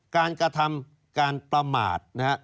การกระทำการประมาทนะครับ